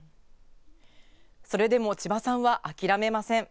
それでも千葉さんは諦めません。